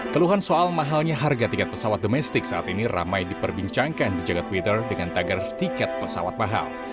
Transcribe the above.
keluhan soal mahalnya harga tiket pesawat domestik saat ini ramai diperbincangkan di jaga twitter dengan tagar tiket pesawat mahal